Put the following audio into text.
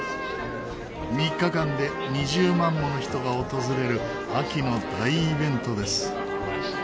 ３日間で２０万もの人が訪れる秋の大イベントです。